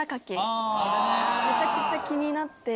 めちゃくちゃ気になって。